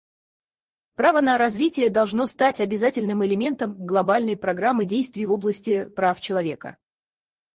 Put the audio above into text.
Право на развитие должно стать обязательным элементом глобальной программы действий в области прав человека.